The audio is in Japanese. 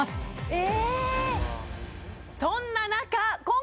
え